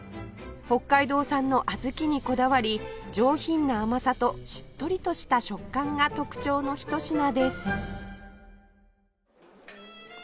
北海道産の小豆にこだわり上品な甘さとしっとりとした食感が特徴のひと品です